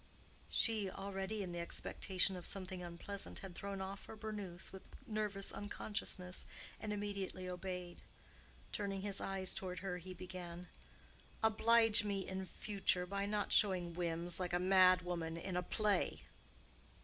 She, already in the expectation of something unpleasant, had thrown off her burnous with nervous unconsciousness, and immediately obeyed. Turning his eyes toward her, he began, "Oblige me in future by not showing whims like a mad woman in a play."